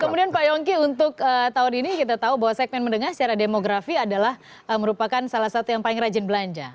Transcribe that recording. kemudian pak yongki untuk tahun ini kita tahu bahwa segmen menengah secara demografi adalah merupakan salah satu yang paling rajin belanja